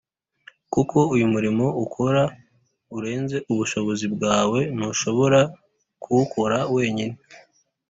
kuko uyu murimo ukora urenze ubushobozi bwawe Ntushobora kuwukora wenyine